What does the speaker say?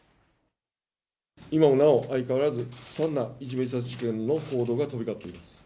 今もなお相変わらず、悲惨ないじめ自殺事件の報道が飛び交っています。